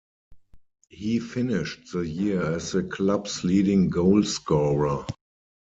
He finished the year as the Club's leading goal scorer.